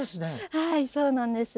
はいそうなんです。